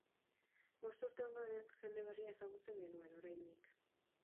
Bost urte ondoren jende berria ezagutzen genuen, oraindik.